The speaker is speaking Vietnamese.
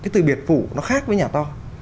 cái từ biệt phủ nó khác với nhà to